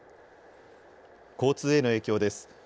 交通への影響です。